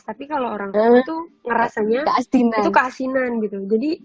tapi kalau orang orang itu ngerasanya itu keasinan gitu